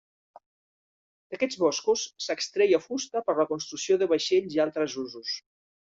D'aquests boscos s'extreia fusta per la construcció de vaixells i altres usos.